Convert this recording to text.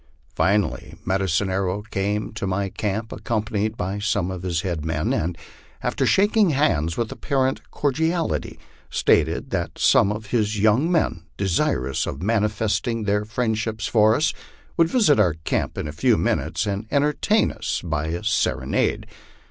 Finally Med icine Arrow came to my camp, accompanied by some of his head men, and after shaking hands with apparent cordiality, stated that some of his young men, desirous of manifesting their friendship for us, would visit our camp in a few minutes, and entertain us by a serenade.